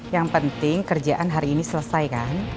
yang penting kerjaan hari ini selesai kan